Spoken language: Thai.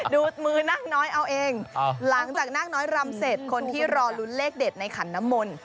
ดูมือนาคน้อยเอาเองหลังจากนาคน้อยรำเสร็จคนที่รอลุ้นเลขเด็ดในขันน้ำมนต์